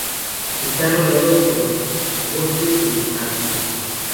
Está rodeado por bosque sub-ártico.